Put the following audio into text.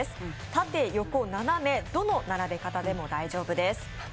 縦、横、斜め、どの並べ方でも大丈夫です。